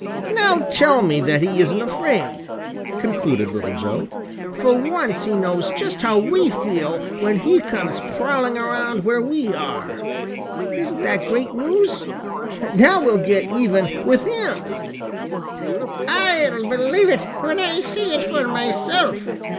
"Now tell me that he isn't afraid!" concluded Little Joe. "For once he knows just how we feel when he comes prowling around where we are. Isn't that great news? Now we'll get even with him!" "I'll believe it when I see it for myself!"